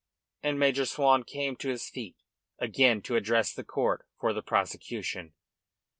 And Major Swan came to his feet again to address the court for the prosecution.